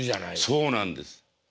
そうなんです。